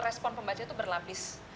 respon pembaca itu berlapis